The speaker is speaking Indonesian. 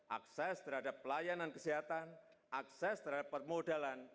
akses terhadap pelayanan kesehatan akses terhadap permodalan